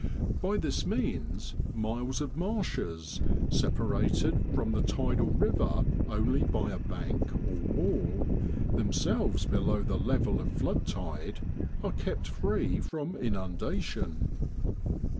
By this means miles of marshes, separated from the tidal river only by a bank or ' wall,' themselves below the level of flood tide, are kept free from inun dation.